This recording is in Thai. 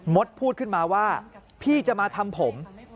พูดขึ้นมาว่าพี่จะมาทำผม